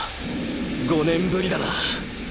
５年振りだな。